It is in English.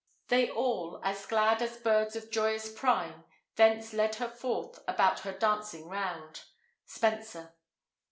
They all, as glad as birds of joyous prime, Thence led her forth, about her dancing round. Spenser.